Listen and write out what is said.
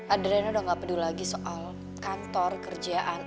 adriana udah gak pedul lagi soal kantor kerjaan